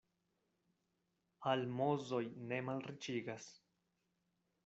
Almozoj ne malriĉigas.